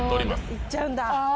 行っちゃうんだ。